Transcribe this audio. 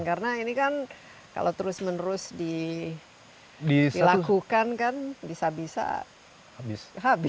karena ini kan kalau terus menerus dilakukan kan bisa bisa habis